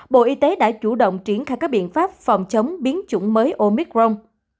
bộ y tế đã chủ động triển khai các biện pháp phòng chống biến chủng mới omicron